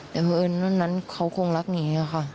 แต่เฮียนั้นนั้นเขาคงรักเหนียวค่ะ